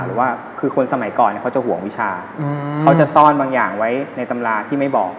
หรือว่าคือคนสมัยก่อนเขาจะห่วงวิชาเขาจะซ่อนบางอย่างไว้ในตำราที่ไม่บอก